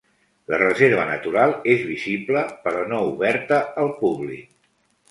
La reserva natural és visible, però no oberta al públic.